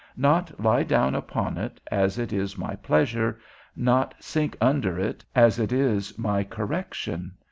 Not lie down upon it, as it is my pleasure, not sink under it, as it is my correction?